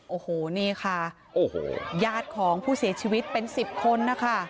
โอ้โหนี่ค่ะโอ้โหญาติของผู้เสียชีวิตเป็น๑๐คนนะคะ